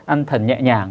an thần nhẹ nhàng